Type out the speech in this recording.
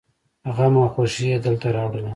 غم او خوښي يې دلته راوړله.